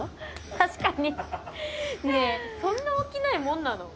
確かにねぇこんな起きないもんなの？